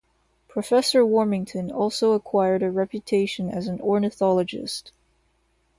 Professor Warmington also acquired a reputation as an ornithologist.